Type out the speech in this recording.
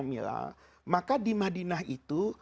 mila maka di madinah itu